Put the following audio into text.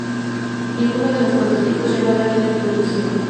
Ninguno de los prototipos llegó a la línea de producción.